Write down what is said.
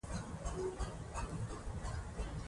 ساینسپوهان دا ارزوي.